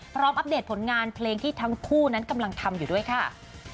อัปเดตผลงานเพลงที่ทั้งคู่นั้นกำลังทำอยู่ด้วยค่ะ